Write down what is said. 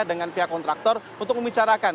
dengan pihak kontraktor untuk membicarakan